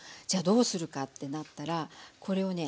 どうするかってなったらこれをね